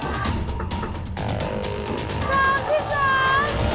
อ้าว